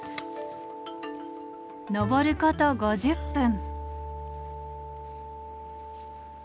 登ること５０分。